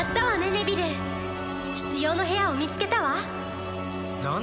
ネビル「必要の部屋」を見つけたわ何の部屋？